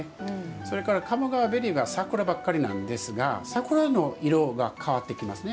それから鴨川べりは桜ばっかりなんですが桜の色が変わってきますね。